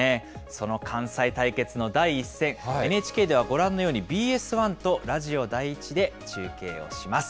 その関西対決の第１戦、ＮＨＫではご覧のように、ＢＳ１とラジオ第１で中継をします。